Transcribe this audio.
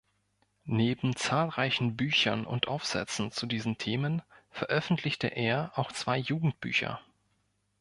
Neben zahlreichen Büchern und Aufsätzen zu diesen Themen veröffentlichte er auch zwei Jugendbücher.